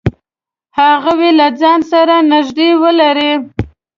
هغوی له ځان سره نږدې ولری.